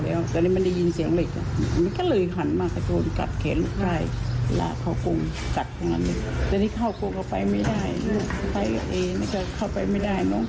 ลูกชายมันสู้มาถึงประมาณ๗ชั่วโมง